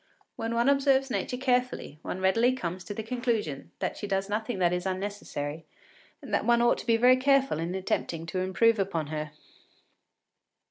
When one observes Nature carefully, one readily comes to the conclusion that she does nothing that is unnecessary, and that one ought to be very careful in attempting to improve upon her.